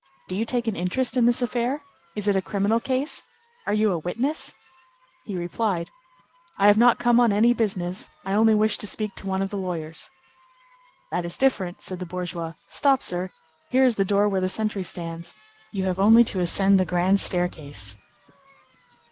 Do you take an interest in this affair? Is it a criminal case? Are you a witness?" He replied:— "I have not come on any business; I only wish to speak to one of the lawyers." "That is different," said the bourgeois. "Stop, sir; here is the door where the sentry stands. You have only to ascend the grand staircase."